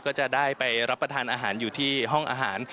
ก็จะได้ไปรับประทานอาหารอยู่ที่ห้องอาหาร